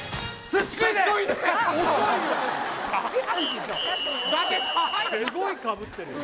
すごいかぶってるよ